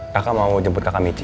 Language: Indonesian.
kakak mau jemput kakak michi